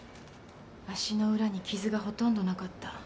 足の裏に傷がほとんどなかった。